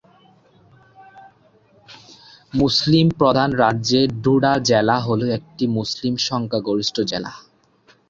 মুসলিম প্রধান রাজ্যে ডোডা জেলা হল একটি মুসলিম সংখ্যাগরিষ্ঠ জেলা।